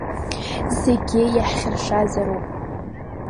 Зегьы иаҳхьыршазароуп.